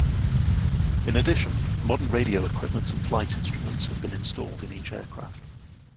In addition, modern radio equipment and flight instruments have been installed in each aircraft.